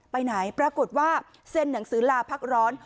ไปไหนปรากฏว่าเซ็นหนังสือลาพักร้อน